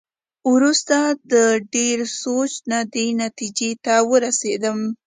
وروسته د ډېر سوچ نه دې نتېجې ته ورسېدم.